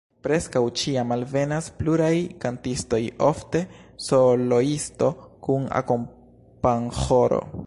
Preskaŭ ĉiam alvenas pluraj kantistoj, ofte soloisto kun akompanĥoro.